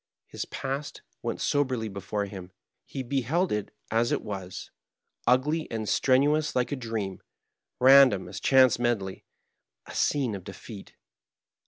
His past went soberly before him ; he beheld it as it was, ugly and strenuous like a dream, random as chance medley — a scene of defeat.